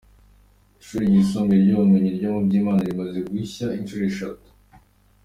Ishuri ry’isumbuye ry’ubumenyi ryo mu Byimana rimaze gushya inshuro eshatu.